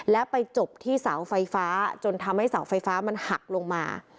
และไปจบที่เสาไฟฟ้าจนทำให้เสาไฟฟ้ามันหักลงมา